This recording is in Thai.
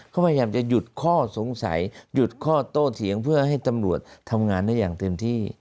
เขาพยายามจะหยุดข้อสงสัยหยุดข้อโต้เถียงเพื่อให้ตำรวจทำงานได้อย่างเต็มที่